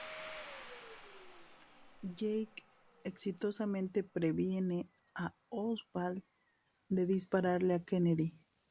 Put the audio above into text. Jake exitosamente previene a Oswald de dispararle a Kennedy.